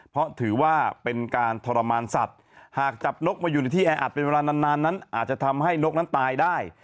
เพราะถือว่าเป็นการทรมานสัตว์หากจับนกมาอยู่ในที่แออัดเป็นเวลานานนั้นอาจจะทำให้นกนั้นตายได้